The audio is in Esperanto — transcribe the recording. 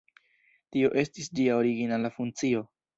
Tio estis ĝia originala funkcio.